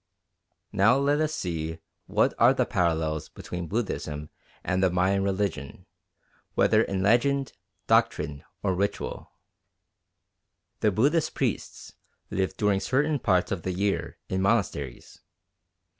Now let us see what are the parallels between Buddhism and the Mayan religion, whether in legend, doctrine, or ritual. The Buddhist priests lived during certain parts of the year in monasteries.